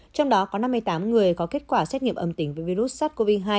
trong đó có năm mươi tám người có kết quả xét nghiệm âm tính với virus sars cov hai